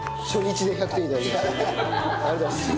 ありがとうございます。